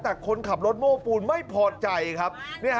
แต่คนขับรถโม้ปูนไม่พอใจครับ